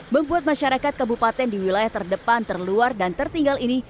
membuat masyarakat kabupaten di wilayah terdepan terluar dan tertinggal ini